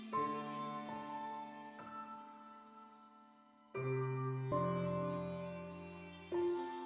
terima kasih pak agni